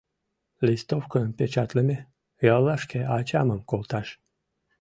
— Листовкым печатлыме, яллашке ачамым колташ.